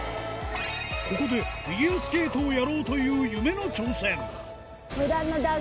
ここでフィギュアスケートをやろうという夢の挑戦